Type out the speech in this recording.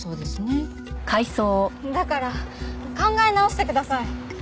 だから考え直してください。